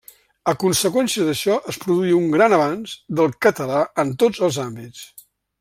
A conseqüència d'això es produí un gran avanç del català en tots els àmbits.